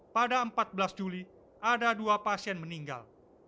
pada empat belas juli ada dua pasien meninggal